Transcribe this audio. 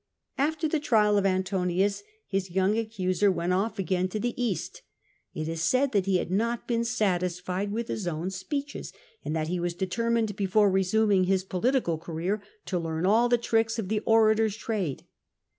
OtESAE 296 After the trial of Antonius, liis yoiuig acenser went off again to tlie East. It is said tliat lie bad not been satis fled with his own speeclies, and that be was determined, before resuming his political career, to learn all the triclcs o£ the orator's trade.